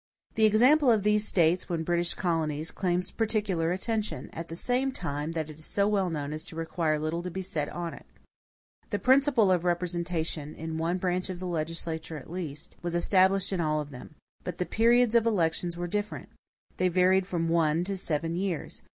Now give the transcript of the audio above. The example of these States, when British colonies, claims particular attention, at the same time that it is so well known as to require little to be said on it. The principle of representation, in one branch of the legislature at least, was established in all of them. But the periods of election were different. They varied from one to seven years.